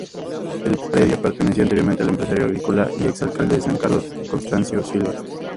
El predio pertenecía anteriormente al empresario agrícola y exalcalde de San Carlos, Constancio Silva.